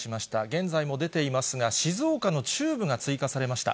現在も出ていますが、静岡の中部が追加されました。